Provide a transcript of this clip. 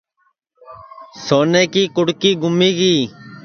سونے کی کُڑکی گُمی گی